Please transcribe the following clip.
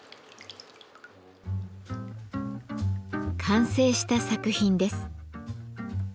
完成した作品です。